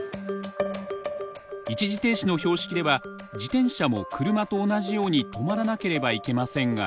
一時停止の標識では自転車も車と同じように止まらなければいけませんが。